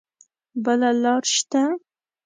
بله لار شته؟